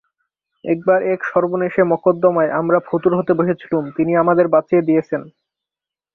একবার এক সর্বনেশে মকদ্দমায় আমরা ফতুর হতে বসেছিলুম, তিনি আমাদের বাঁচিয়ে দিয়েছেন।